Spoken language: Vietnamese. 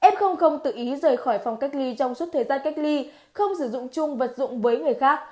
f tự ý rời khỏi phòng cách ly trong suốt thời gian cách ly không sử dụng chung vật dụng với người khác